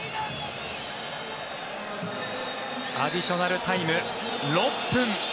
アディショナルタイム６分。